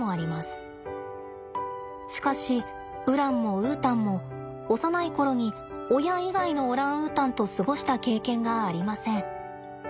しかしウランもウータンも幼い頃に親以外のオランウータンと過ごした経験がありません。